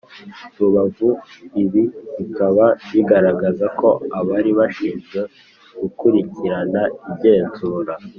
Rubavu ibi bikaba bigaragaza ko abari bashinzwe gukurikirana igenzura